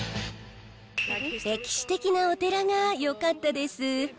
歴史的なお寺がよかったです。